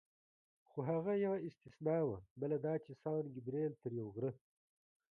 خو هغه یوه استثنا وه، بله دا چې سان ګبرېل تر یو غره.